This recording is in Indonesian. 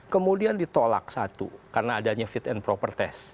kemudian ditolak satu karena adanya fit and proper test